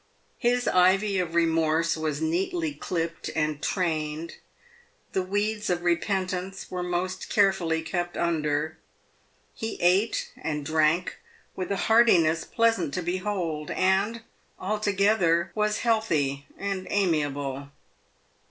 His ivy of remorse was neatly clipped and trained ; the weeds of re pentance were most carefully kept under. He ate and drank with a heartiness pleasant to behold, and, altogether, was healthy and amiable.